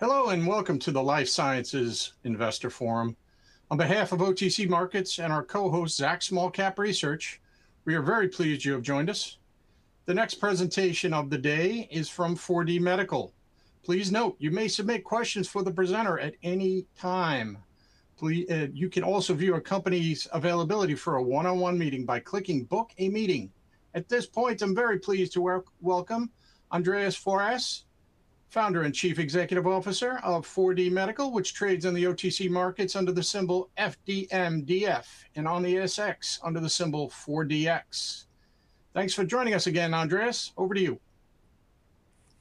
Hello, and welcome to the Life Sciences Investor Forum. On behalf of OTC Markets and our co-host, Zacks Small Cap Research, we are very pleased you have joined us. The next presentation of the day is from 4DMedical. Please note, you may submit questions for the presenter at any time. You can also view a company's availability for a one-on-one meeting by clicking Book a Meeting. At this point, I'm very pleased to welcome Andreas Fouras, Founder and Chief Executive Officer of 4DMedical, which trades on the OTC markets under the symbol FDMDF, and on the ASX under the symbol 4DX. Thanks for joining us again, Andreas. Over to you.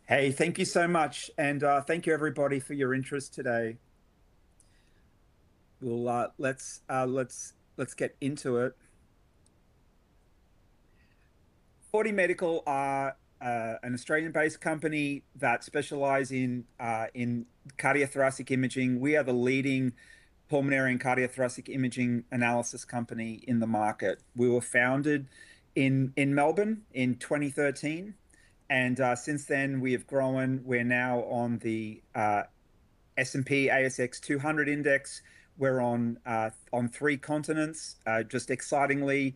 Hey, thank you so much, and thank you everybody for your interest today. Let's get into it. 4DMedical are an Australian-based company that specialize in cardiothoracic imaging. We are the leading pulmonary and cardiothoracic imaging analysis company in the market. We were founded in Melbourne in 2013, and since then we have grown. We're now on the S&P/ASX 200 index. We're on three continents. Just excitingly,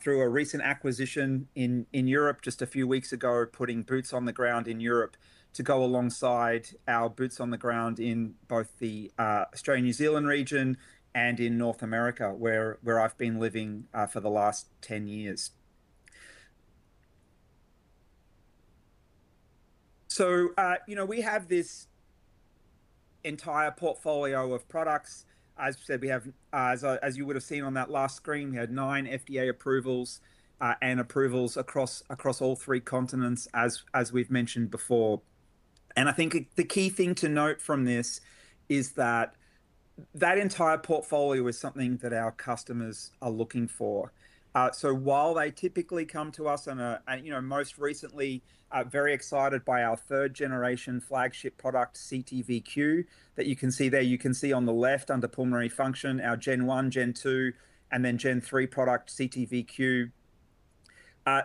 through a recent acquisition in Europe just a few weeks ago, we're putting boots on the ground in Europe to go alongside our boots on the ground in both the Australia-New Zealand region and in North America, where I've been living for the last 10 years. We have this entire portfolio of products. As you would've seen on that last screen, we have nine FDA approvals, and approvals across all three continents, as we've mentioned before. I think the key thing to note from this is that that entire portfolio is something that our customers are looking for. While they typically come to us, and most recently are very excited by our third generation flagship product, CT:VQ, that you can see there. You can see on the left under Pulmonary Function, our gen 1, gen 2, and then gen 3 product, CT:VQ.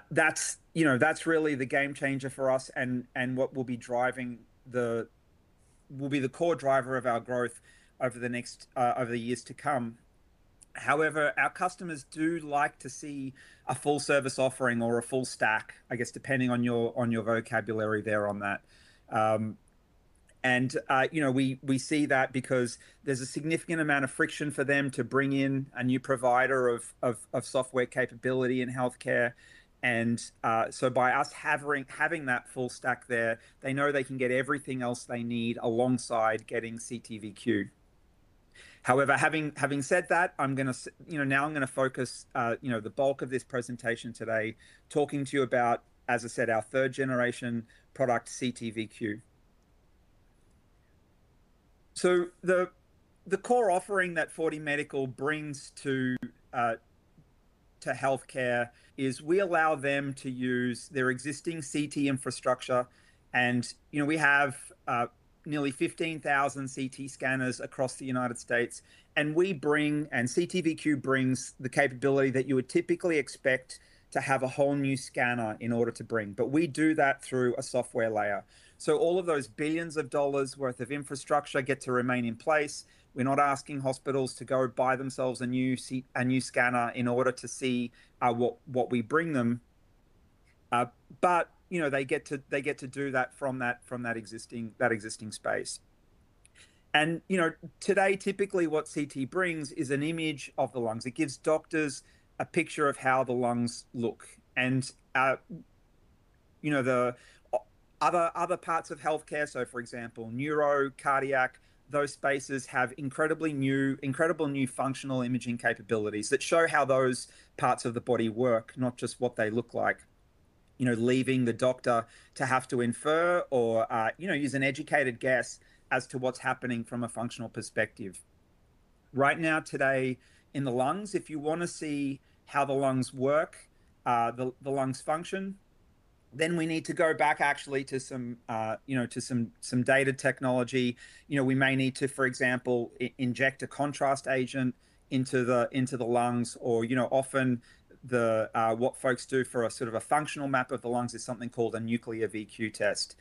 That's really the game changer for us and what will be the core driver of our growth over the years to come. However, our customers do like to see a full service offering or a full stack, I guess, depending on your vocabulary there on that. We see that because there's a significant amount of friction for them to bring in a new provider of software capability in healthcare. By us having that full stack there, they know they can get everything else they need alongside getting CT:VQ. However, having said that, now I'm going to focus the bulk of this presentation today talking to you about, as I said, our third generation product, CT:VQ. The core offering that 4DMedical brings to healthcare is we allow them to use their existing CT infrastructure. We have nearly 15,000 CT scanners across the United States, and CT:VQ brings the capability that you would typically expect to have a whole new scanner in order to bring, but we do that through a software layer. All of those billions of AUD worth of infrastructure get to remain in place. We're not asking hospitals to go buy themselves a new scanner in order to see what we bring them. They get to do that from that existing space. Today, typically what CT brings is an image of the lungs. It gives doctors a picture of how the lungs look. The other parts of healthcare, so for example, neuro, cardiac, those spaces have incredible new functional imaging capabilities that show how those parts of the body work, not just what they look like, leaving the doctor to have to infer or use an educated guess as to what's happening from a functional perspective. Right now, today, in the lungs, if you want to see how the lungs work, the lungs' function, we need to go back actually to some data technology. We may need to, for example, inject a contrast agent into the lungs, or often what folks do for a sort of a functional map of the lungs is something called a nuclear VQ test.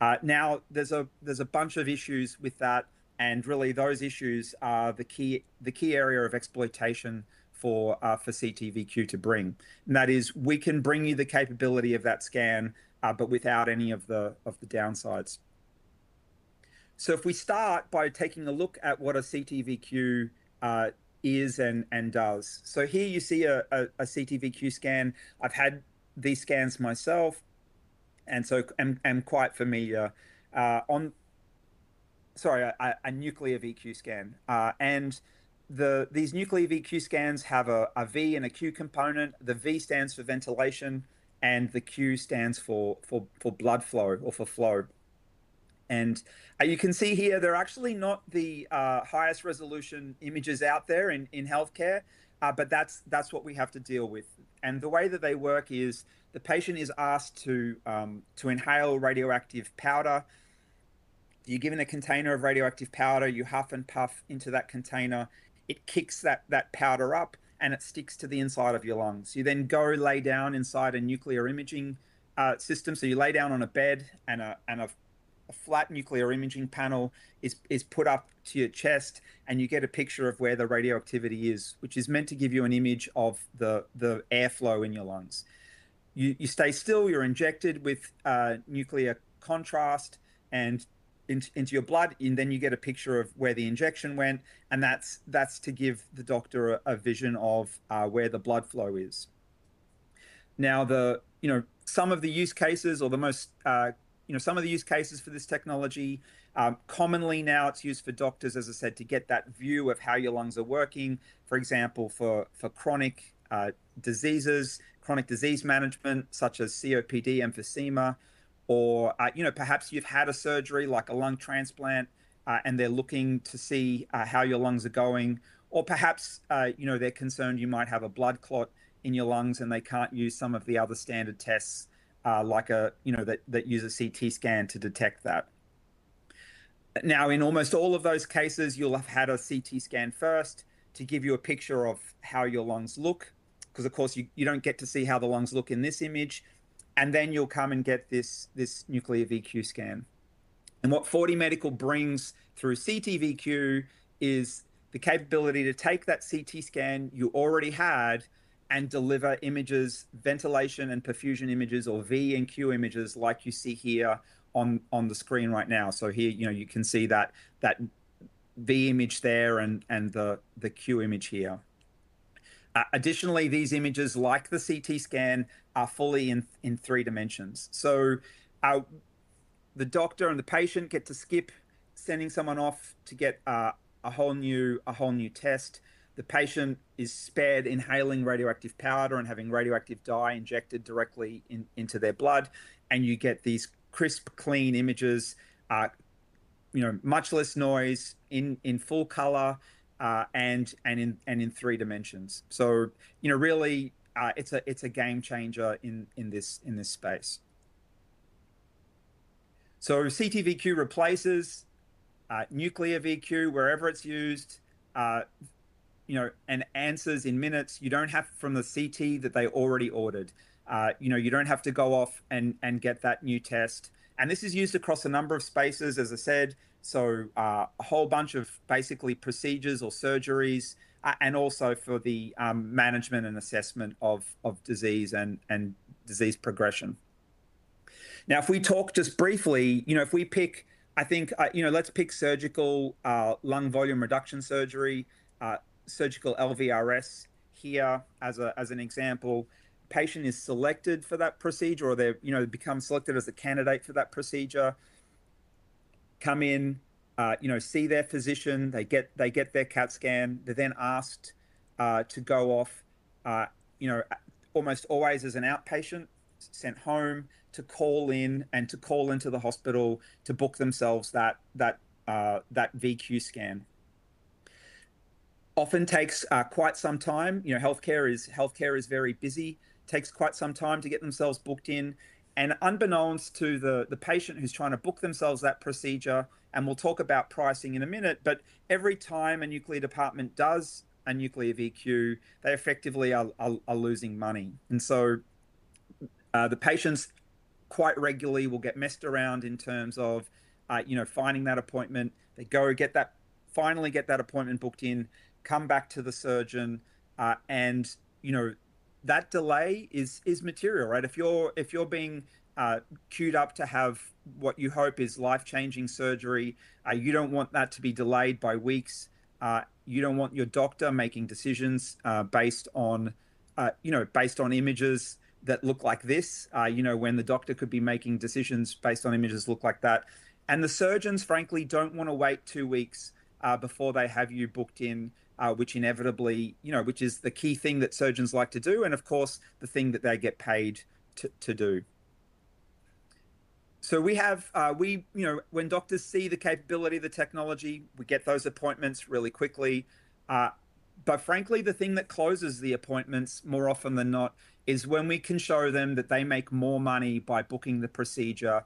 There's a bunch of issues with that, and really those issues are the key area of exploitation for CTVQ to bring. That is, we can bring you the capability of that scan, but without any of the downsides. If we start by taking a look at what a CTVQ is and does. Here you see a CTVQ scan. I've had these scans myself, and so am quite familiar. Sorry, a nuclear VQ scan. These nuclear VQ scans have a V and a Q component. The V stands for ventilation, and the Q stands for blood flow or for flow. You can see here, they're actually not the highest resolution images out there in healthcare, but that's what we have to deal with. The way that they work is the patient is asked to inhale radioactive powder. You're given a container of radioactive powder, you huff and puff into that container, it kicks that powder up, and it sticks to the inside of your lungs. You then go lay down inside a nuclear imaging system. You lay down on a bed, and a flat nuclear imaging panel is put up to your chest, and you get a picture of where the radioactivity is, which is meant to give you an image of the airflow in your lungs. You stay still, you're injected with nuclear contrast into your blood, and then you get a picture of where the injection went, and that's to give the doctor a vision of where the blood flow is. Some of the use cases for this technology, commonly now it's used for doctors, as I said, to get that view of how your lungs are working. For example, for chronic disease management such as COPD, emphysema, or perhaps you've had a surgery like a lung transplant, and they're looking to see how your lungs are going. Perhaps, they're concerned you might have a blood clot in your lungs and they can't use some of the other standard tests that use a CT scan to detect that. In almost all of those cases, you'll have had a CT scan first to give you a picture of how your lungs look, because of course, you don't get to see how the lungs look in this image, and then you'll come and get this nuclear VQ scan. What 4DMedical brings through CT:VQ is the capability to take that CT scan you already had and deliver images, ventilation and perfusion images or V and Q images like you see here on the screen right now. Here, you can see that V image there and the Q image here. Additionally, these images, like the CT scan, are fully in three dimensions. The doctor and the patient get to skip sending someone off to get a whole new test. The patient is spared inhaling radioactive powder and having radioactive dye injected directly into their blood, and you get these crisp, clean images, much less noise, in full color, and in three dimensions. Really, it's a game changer in this space. CT:VQ replaces nuclear VQ wherever it's used, and answers in minutes from the CT that they already ordered. You don't have to go off and get that new test. This is used across a number of spaces, as I said, a whole bunch of basically procedures or surgeries, and also for the management and assessment of disease and disease progression. Now, if we talk just briefly, let's pick surgical lung volume reduction surgery, surgical LVRS here as an example. Patient is selected for that procedure, or they become selected as a candidate for that procedure, come in, see their physician, they get their CAT scan. They're then asked to go off, almost always as an outpatient, sent home to call in and to call into the hospital to book themselves that VQ scan. Often takes quite some time. Healthcare is very busy, takes quite some time to get themselves booked in. Unbeknownst to the patient who's trying to book themselves that procedure, and we'll talk about pricing in a minute, but every time a nuclear department does a nuclear VQ, they effectively are losing money. The patients quite regularly will get messed around in terms of finding that appointment. They go, finally get that appointment booked in, come back to the surgeon, that delay is material, right? If you're being queued up to have what you hope is life-changing surgery, you don't want that to be delayed by weeks. You don't want your doctor making decisions based on images that look like this, when the doctor could be making decisions based on images look like that. The surgeons, frankly, don't want to wait two weeks before they have you booked in, which is the key thing that surgeons like to do and of course, the thing that they get paid to do. When doctors see the capability of the technology, we get those appointments really quickly. Frankly, the thing that closes the appointments more often than not is when we can show them that they make more money by booking the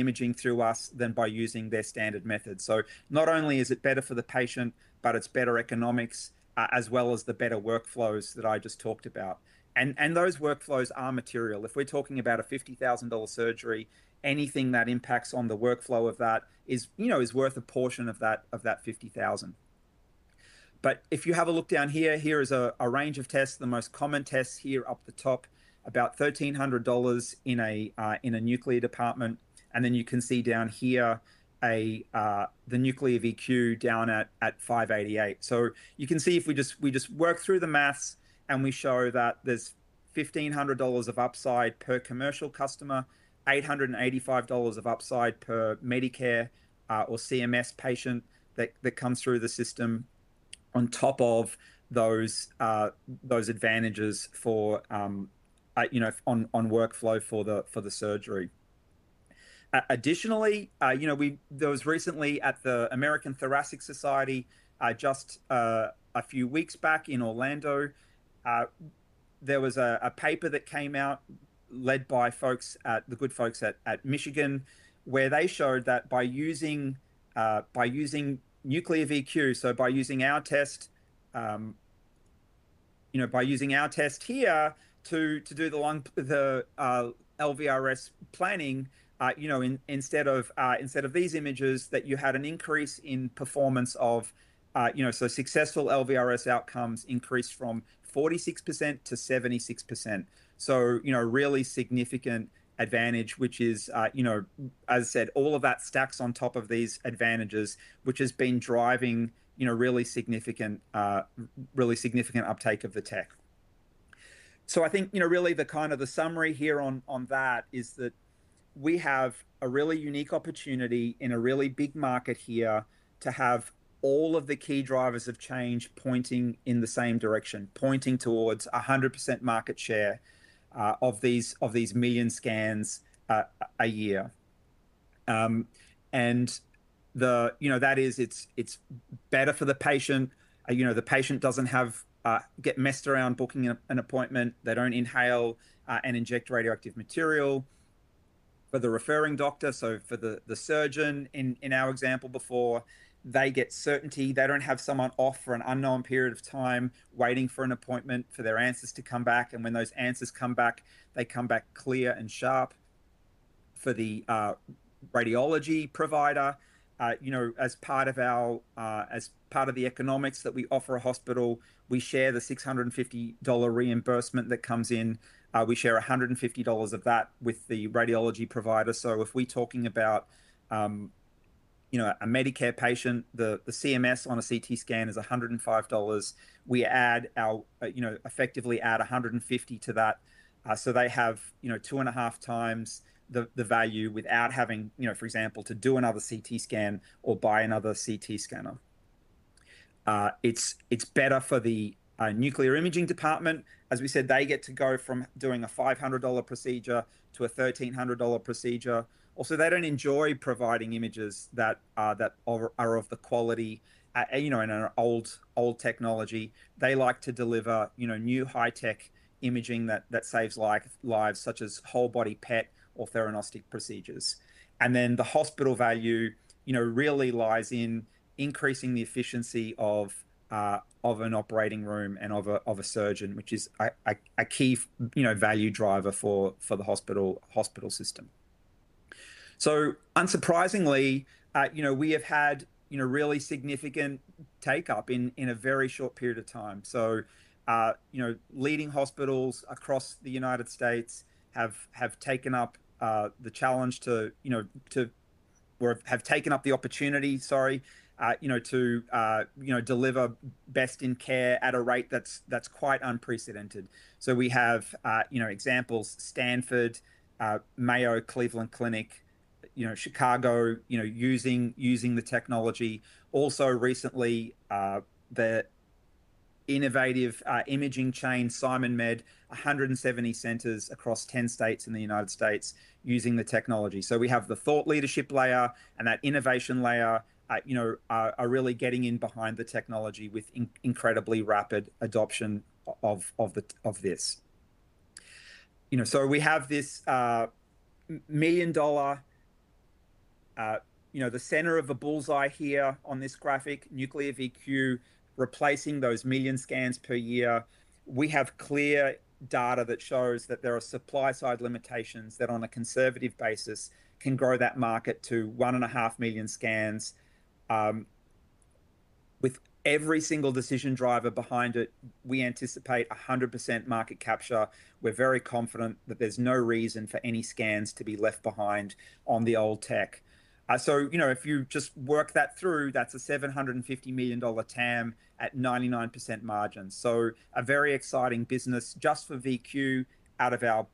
imaging through us than by using their standard method. Not only is it better for the patient, but it's better economics, as well as the better workflows that I just talked about. Those workflows are material. If we're talking about a 50,000 dollar surgery, anything that impacts on the workflow of that is worth a portion of that 50,000. If you have a look down here is a range of tests. The most common tests here up the top, about 1,300 dollars in a nuclear department. You can see down here, the nuclear VQ down at 588. You can see if we just work through the maths and we show that there is 1,500 dollars of upside per commercial customer, 885 dollars of upside per Medicare or CMS patient that comes through the system on top of those advantages on workflow for the surgery. Additionally, there was recently at the American Thoracic Society, just a few weeks back in Orlando. There was a paper that came out led by the good folks at Michigan, where they showed that by using nuclear VQ, by using our test here to do the LVRS planning instead of these images, that you had an increase in performance. Successful LVRS outcomes increased from 46% to 76%. A really significant advantage, which is, as I said, all of that stacks on top of these advantages, which has been driving really significant uptake of the tech. I think really the summary here on that is that we have a really unique opportunity in a really big market here to have all of the key drivers of change pointing in the same direction, pointing towards 100% market share of these million scans a year. That is, it's better for the patient. The patient doesn't get messed around booking an appointment. They don't inhale and inject radioactive material. For the referring doctor, for the surgeon in our example before, they get certainty. They don't have someone off for an unknown period of time waiting for an appointment for their answers to come back, and when those answers come back, they come back clear and sharp. For the radiology provider, as part of the economics that we offer a hospital, we share the 650 dollar reimbursement that comes in. We share 150 dollars of that with the radiology provider. If we're talking about a Medicare patient, the CMS on a CT scan is 105 dollars. We effectively add 150 to that, so they have two and a half times the value without having, for example, to do another CT scan or buy another CT scanner. It's better for the nuclear imaging department. As we said, they get to go from doing a 500 dollar procedure to a 1,300 dollar procedure. They don't enjoy providing images that are of the quality in an old technology. They like to deliver new high-tech imaging that saves lives, such as whole body PET or theranostic procedures. The hospital value really lies in increasing the efficiency of an operating room and of a surgeon, which is a key value driver for the hospital system. Unsurprisingly, we have had really significant take-up in a very short period of time. Leading hospitals across the U.S. have taken up the opportunity, sorry, to deliver best in care at a rate that's quite unprecedented. We have examples, Stanford, Mayo, Cleveland Clinic, Chicago, using the technology. Recently, the innovative imaging chain, SimonMed, 170 centers across 10 states in the U.S. using the technology. We have the thought leadership layer and that innovation layer are really getting in behind the technology with incredibly rapid adoption of this. We have this million-dollar, the center of a bullseye here on this graphic, nuclear VQ replacing those million scans per year. We have clear data that shows that there are supply side limitations that on a conservative basis can grow that market to one and a half million scans. With every single decision driver behind it, we anticipate 100% market capture. We're very confident that there's no reason for any scans to be left behind on the old tech. If you just work that through, that's an 750 million dollar TAM at 99% margins. A very exciting business just for VQ out of our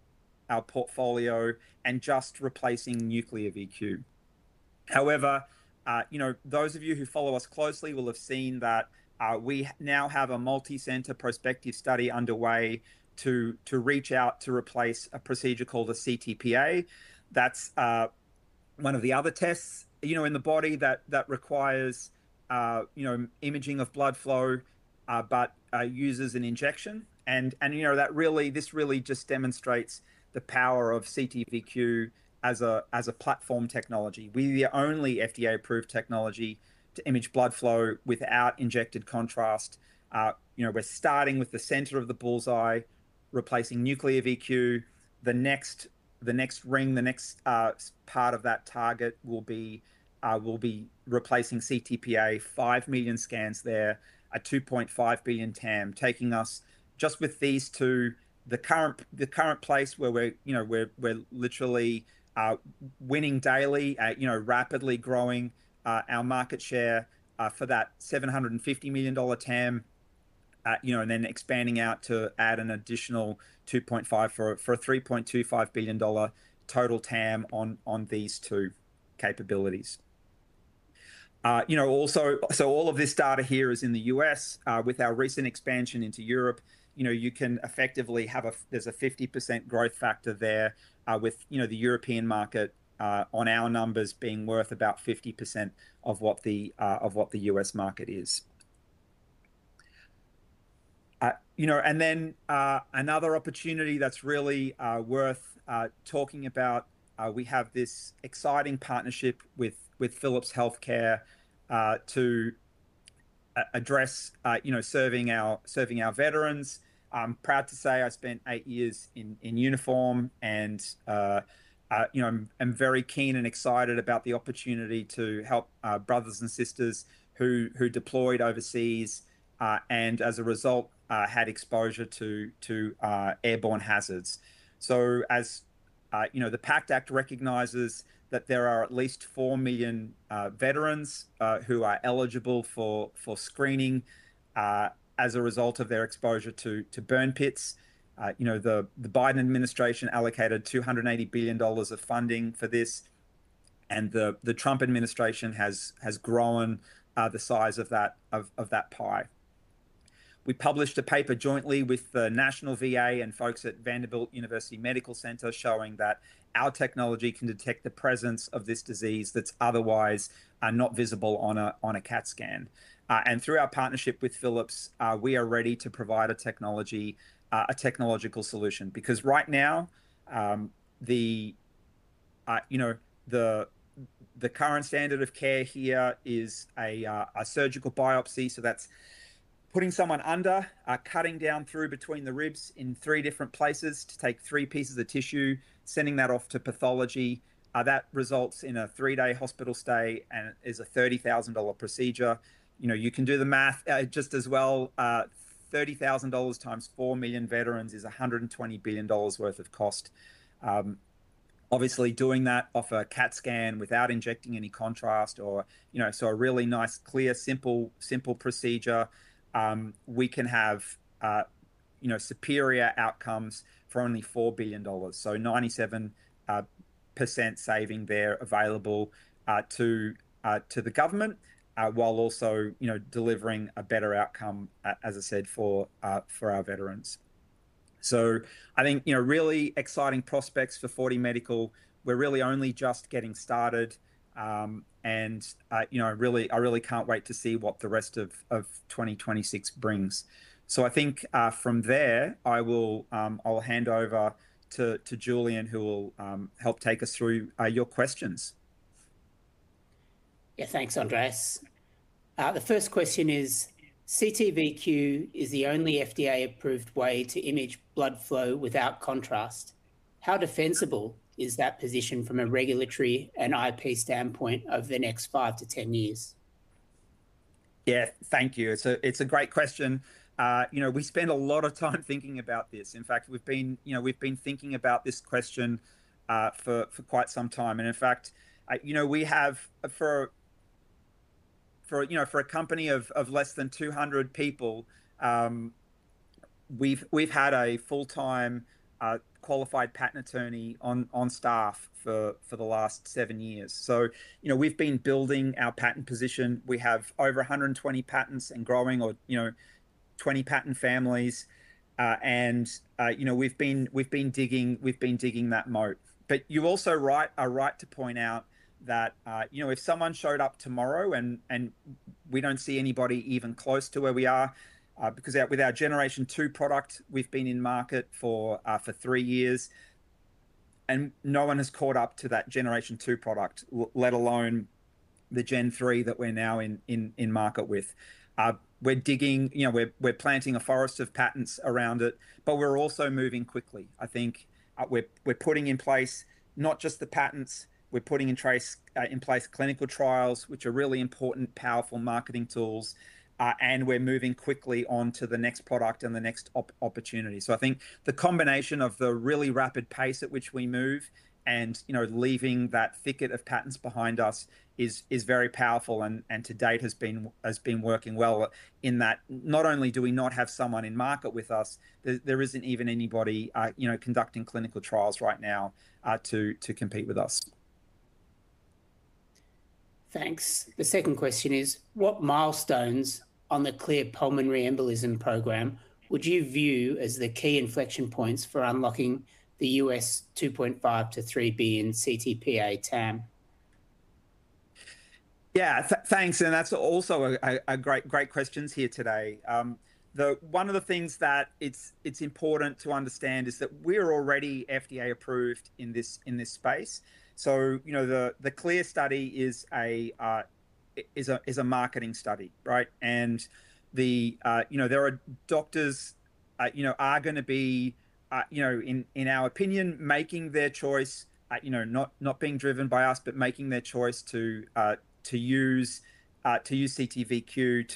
portfolio and just replacing nuclear VQ. However, those of you who follow us closely will have seen that we now have a multi-center prospective study underway to reach out to replace a procedure called a CTPA. That's one of the other tests in the body that requires imaging of blood flow, but uses an injection. This really just demonstrates the power of CT:VQ as a platform technology. We're the only FDA-approved technology to image blood flow without injected contrast. We're starting with the center of the bullseye, replacing nuclear VQ. The next ring, the next part of that target will be replacing CTPA, 5 million scans there at 2.5 billion TAM, taking us just with these two, the current place where we're literally winning daily, rapidly growing our market share for that 750 million dollar TAM, then expanding out to add an additional 2.5 for an 3.25 billion dollar total TAM on these two capabilities. All of this data here is in the U.S. With our recent expansion into Europe, there's a 50% growth factor there, with the European market on our numbers being worth about 50% of what the U.S. market is. Then another opportunity that's really worth talking about, we have this exciting partnership with Philips Healthcare to address serving our veterans. I'm proud to say I spent eight years in uniform, I'm very keen and excited about the opportunity to help brothers and sisters who deployed overseas, as a result, had exposure to airborne hazards. As the PACT Act recognizes that there are at least 4 million veterans who are eligible for screening as a result of their exposure to burn pits. The Biden administration allocated $280 billion of funding for this, the Trump administration has grown the size of that pie. We published a paper jointly with the National VA and folks at Vanderbilt University Medical Center showing that our technology can detect the presence of this disease that's otherwise not visible on a CAT scan. Through our partnership with Philips, we are ready to provide a technological solution. Because right now, the current standard of care here is a surgical biopsy, so that is putting someone under, cutting down through between the ribs in three different places to take three pieces of tissue, sending that off to pathology. That results in a three-day hospital stay and is an 30,000 dollar procedure. You can do the math just as well. 30,000 dollars times 4 million veterans is 120 billion dollars worth of cost. Obviously, doing that off a CAT scan without injecting any contrast or a really nice, clear, simple procedure. We can have superior outcomes for only 4 billion dollars. 97% saving there available to the government, while also delivering a better outcome, as I said, for our veterans. I think really exciting prospects for 4DMedical. We are really only just getting started. And I really cannot wait to see what the rest of 2026 brings. I think from there, I will hand over to Julian, who will help take us through your questions. Thanks, Andreas. The first question is, "CT:VQ is the only FDA-approved way to image blood flow without contrast. How defensible is that position from a regulatory and IP standpoint over the next 5-10 years? Thank you. It is a great question. We spend a lot of time thinking about this. We have been thinking about this question for quite some time. For a company of less than 200 people, we have had a full-time qualified patent attorney on staff for the last seven years. We have been building our patent position. We have over 120 patents and growing, or 20 patent families. And we have been digging that moat. You are also right to point out that if someone showed up tomorrow, and we do not see anybody even close to where we are, because with our generation two product, we have been in market for three years, and no one has caught up to that generation two product, let alone the gen 3 that we are now in market with. We are planting a forest of patents around it, but we are also moving quickly. We're putting in place not just the patents, we're putting in place clinical trials, which are really important, powerful marketing tools. We're moving quickly on to the next product and the next opportunity. I think the combination of the really rapid pace at which we move and leaving that thicket of patents behind us is very powerful and to date has been working well in that not only do we not have someone in market with us, there isn't even anybody conducting clinical trials right now to compete with us. Thanks. The second question is, "What milestones on the CLEAR pulmonary embolism program would you view as the key inflection points for unlocking the U.S. $2.5 billion-$3 billion CTPA TAM? Yeah. Thanks. That's also a great question here today. One of the things that it's important to understand is that we're already FDA approved in this space. The CLEAR study is a marketing study, right? There are doctors are going to be, in our opinion, making their choice, not being driven by us, but making their choice to use CT:VQ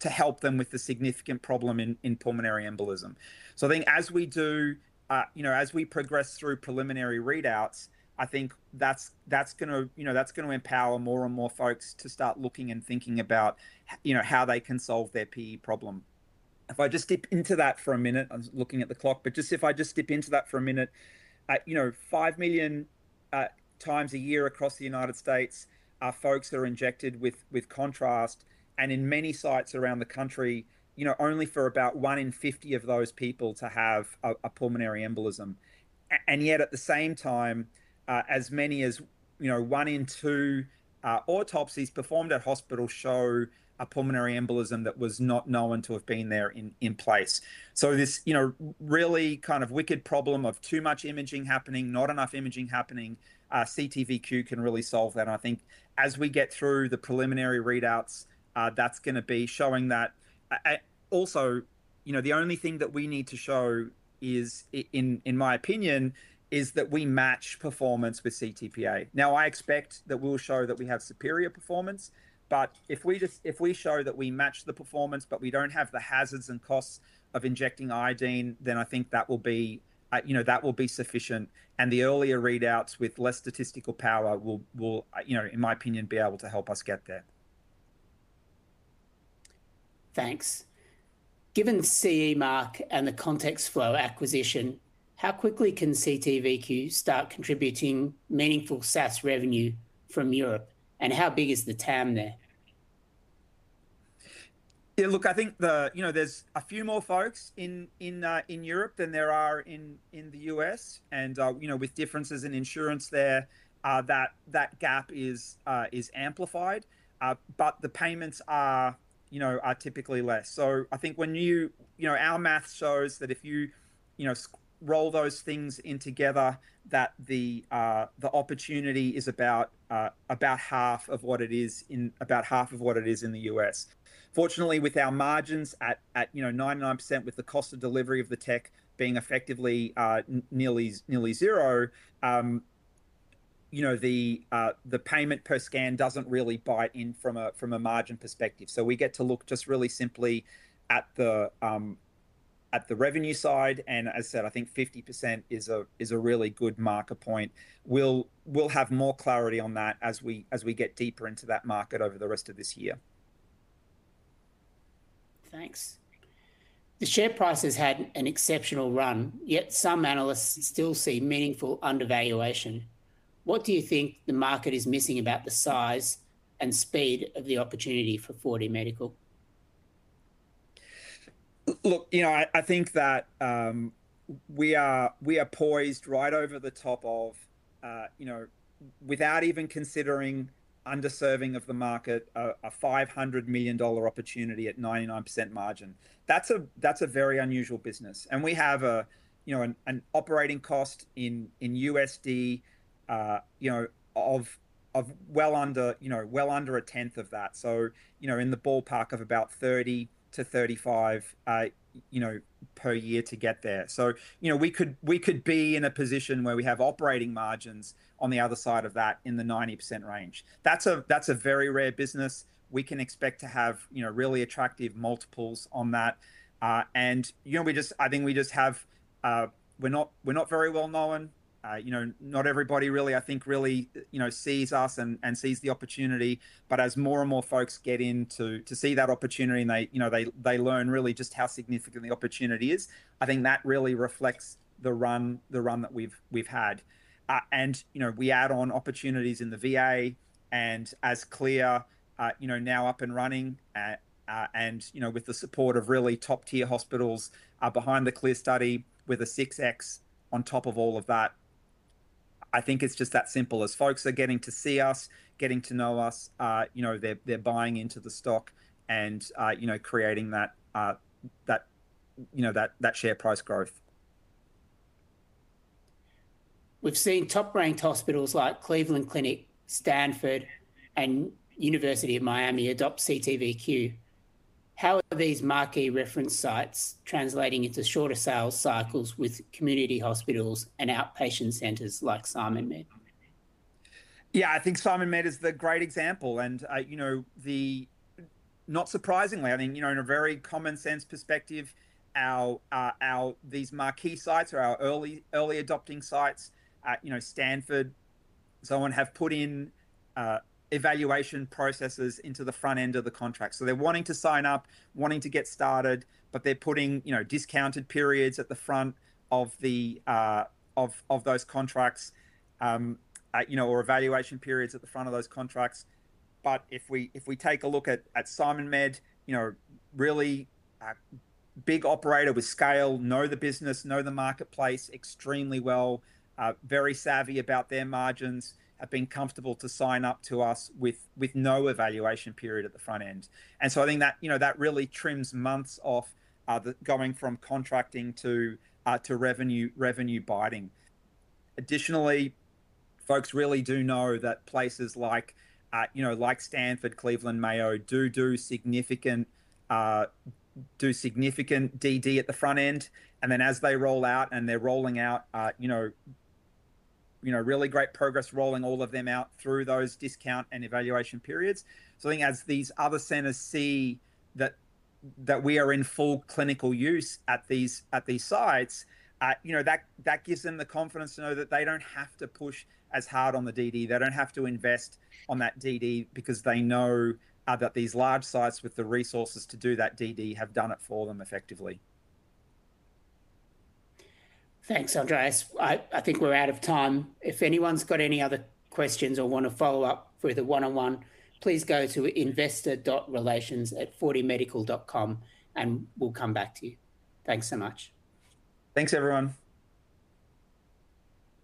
to help them with the significant problem in pulmonary embolism. I think as we progress through preliminary readouts, I think that's going to empower more and more folks to start looking and thinking about how they can solve their PE problem. If I just dip into that for a minute, I was looking at the clock, but if I just dip into that for a minute, 5 million times a year across the U.S. are folks that are injected with contrast, and in many sites around the country, only for about one in 50 of those people to have a pulmonary embolism. Yet at the same time, as many as one in two autopsies performed at hospitals show a pulmonary embolism that was not known to have been there in place. This really kind of wicked problem of too much imaging happening, not enough imaging happening, CT:VQ can really solve that. I think as we get through the preliminary readouts, that's going to be showing that. Also, the only thing that we need to show, in my opinion, is that we match performance with CTPA. I expect that we'll show that we have superior performance, but if we show that we match the performance but we don't have the hazards and costs of injecting iodine, then I think that will be sufficient, and the earlier readouts with less statistical power will, in my opinion, be able to help us get there. Thanks. Given the CE mark and the contextflow acquisition, how quickly can CT:VQ start contributing meaningful SaaS revenue from Europe? How big is the TAM there? Look, I think there's a few more folks in Europe than there are in the U.S., with differences in insurance there, that gap is amplified. The payments are typically less. I think our math shows that if you roll those things in together, that the opportunity is about half of what it is in the U.S. Fortunately, with our margins at 99% with the cost of delivery of the tech being effectively nearly zero, the payment per scan doesn't really bite in from a margin perspective. We get to look just really simply at the revenue side. As I said, I think 50% is a really good marker point. We'll have more clarity on that as we get deeper into that market over the rest of this year. Thanks. The share price has had an exceptional run, yet some analysts still see meaningful undervaluation. What do you think the market is missing about the size and speed of the opportunity for 4DMedical? Look, I think that we are poised right over the top of, without even considering underserving of the market, a 500 million dollar opportunity at 99% margin. That's a very unusual business. We have an operating cost in USD of well under a 10th of that. In the ballpark of about $30 million-$35 million per year to get there. We could be in a position where we have operating margins on the other side of that in the 90% range. That's a very rare business. We can expect to have really attractive multiples on that. I think we're not very well-known. Not everybody really, I think, sees us and sees the opportunity. As more and more folks get in to see that opportunity, and they learn really just how significant the opportunity is, I think that really reflects the run that we've had. We add on opportunities in the VA and as CLEAR, now up and running, and with the support of really top-tier hospitals behind the CLEAR study with a 6x on top of all of that. I think it's just that simple. As folks are getting to see us, getting to know us, they're buying into the stock and creating that share price growth. We've seen top-ranked hospitals like Cleveland Clinic, Stanford, and University of Miami adopt CT:VQ. How are these marquee reference sites translating into shorter sales cycles with community hospitals and outpatient centers like SimonMed? Yeah, I think SimonMed is the great example. Not surprisingly, I think in a very common sense perspective, these marquee sites or our early adopting sites at Stanford, so on, have put in evaluation processes into the front end of the contract. They're wanting to sign up, wanting to get started, but they're putting discounted periods at the front of those contracts, or evaluation periods at the front of those contracts. If we take a look at SimonMed, really big operator with scale, know the business, know the marketplace extremely well, very savvy about their margins, have been comfortable to sign up to us with no evaluation period at the front end. I think that really trims months off going from contracting to revenue binding. Additionally, folks really do know that places like Stanford, Cleveland, Mayo, do significant DD at the front end. As they roll out, and they're rolling out really great progress, rolling all of them out through those discount and evaluation periods. I think as these other centers see that we are in full clinical use at these sites, that gives them the confidence to know that they don't have to push as hard on the DD. They don't have to invest on that DD because they know that these large sites with the resources to do that DD have done it for them effectively. Thanks, Andreas. I think we're out of time. If anyone's got any other questions or want to follow up further one-on-one, please go to investor.relations@4dmedical.com and we'll come back to you. Thanks so much. Thanks, everyone.